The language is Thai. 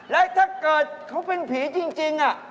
และถ้าเกิดเขาเป็นผีจริง